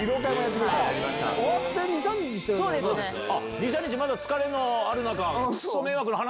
終わって２、２、３日、まだ疲れのある中？